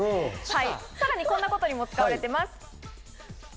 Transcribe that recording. さらに、こんなことにも使われています。